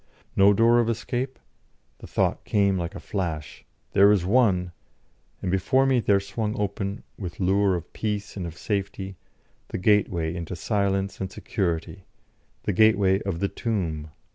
No door of escape? The thought came like a flash: "There is one!" And before me there swung open, with lure of peace and of safety, the gateway into silence and security, the gateway of the tomb.